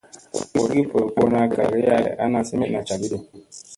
Booɗgi ɓorgona kagiya kay ana semeɗna cagiiɗi.